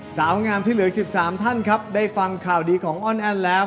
สาวงามที่เหลืออีก๑๓ท่านครับได้ฟังข่าวดีของอ้อนแอ้นแล้ว